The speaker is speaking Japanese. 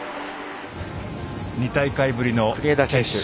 ２大会ぶりの決勝